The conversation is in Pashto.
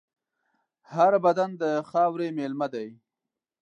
هر بدن د خاورې مېلمه دی.